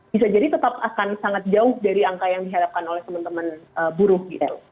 bisa jadi tetap akan sangat jauh dari angka yang diharapkan oleh teman teman buruh gitu